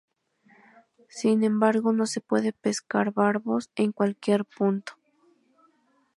Sin embargo, no se puede pescar barbos en cualquier punto.